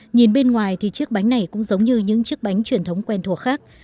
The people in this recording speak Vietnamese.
nhìn bên ngoài thì chiếc bánh này cũng giống như những chiếc bánh truyền thống quen thuộc khác